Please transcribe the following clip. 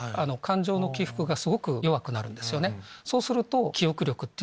そうすると。